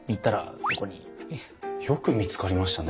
よく見つかりましたね。